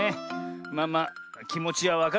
まあまあきもちはわかるからな。